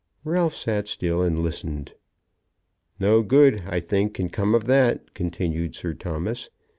Ralph sat still and listened. "No good, I think, can come of that," continued Sir Thomas.